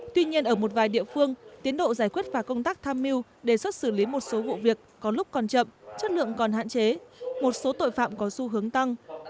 tuy nhiên ở một vài địa phương tiến độ giải quyết và công tác tham mưu đề xuất xử lý một số vụ việc có lúc còn chậm chất lượng còn hạn chế một số tội phạm có xu hướng tăng